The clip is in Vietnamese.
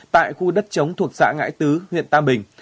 tại khu đất chống thuộc xã ngãi tứ huyện tam bình